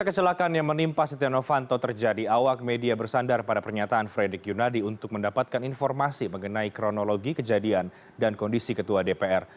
kecelakaan yang menimpa setia novanto terjadi awak media bersandar pada pernyataan fredrik yunadi untuk mendapatkan informasi mengenai kronologi kejadian dan kondisi ketua dpr